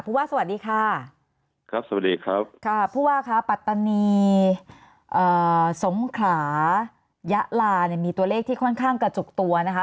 ผู้ว่าสวัสดีค่าพูดว่าค้าปัตตานีเอ่อสงขายะลามีตัวเลขที่ค่อนข้างกระจุกตัวนะคะ